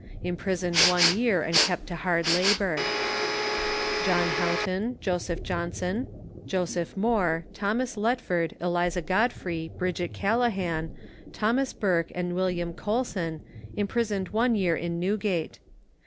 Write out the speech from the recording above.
Imprisoned one year and kept to hard labour John Haughton, Joseph Johnson, Joseph Moore, Thomas Letford, Eliza Godfrey, Bridget Callagan, Thomas Burke, and William Coulson, imprisoned one year in Newgate.